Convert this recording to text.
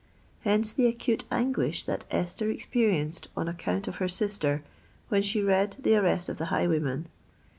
Hence the acute anguish that Esther experienced, on account of her sister, when she read the arrest of the highwayman.